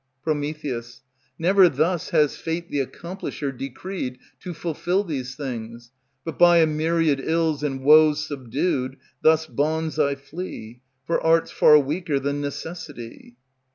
Pr. Never thus has Fate the Accomplisher Decreed to fulfill these things, but by a myriad ills And woes subdued, thus bonds I flee; For art 's far weaker than necessity.